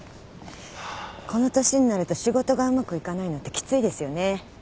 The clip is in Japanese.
この年になると仕事がうまくいかないのってきついですよね。